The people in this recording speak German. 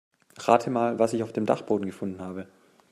Rate mal, was ich auf dem Dachboden gefunden habe.